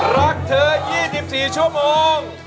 รักเธอ๒๔ชั่วโมง